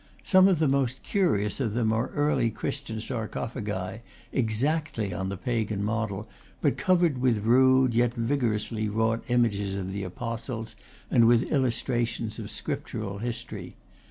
Some of the most curious of them are early Christian sar cophagi, exactly on the pagan model, but covered with rude yet vigorously wrought images of the apostles, and with illustrations of scriptural history.